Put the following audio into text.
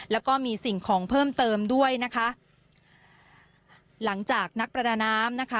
แล้วก็มีสิ่งของเพิ่มเติมด้วยนะคะหลังจากนักประดาน้ำนะคะ